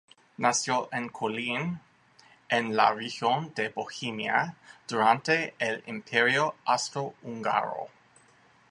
Nació en Kolín, en la región de Bohemia, durante el Imperio austrohúngaro.